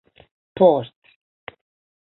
post